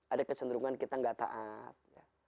ada kecenderungan kita gak taat